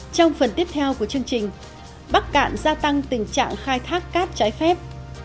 trong phần tiếp theo của chương trình bắc cạn gia tăng tình trạng khai thác cát trái phép